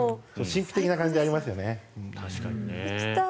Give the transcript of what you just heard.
神秘的な感じがありますよね。